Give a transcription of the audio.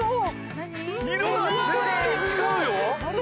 色が全然違うよ！